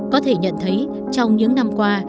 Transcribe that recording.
có thể nhận thấy trong những năm qua